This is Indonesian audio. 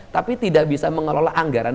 tapi tidak bisa mengelola anggaran